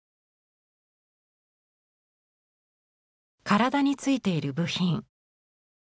体についている部品。